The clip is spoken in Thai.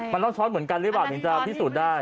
มันต้องช้อนเหมือนกันหรือเปล่าถึงจะพิสูจน์ได้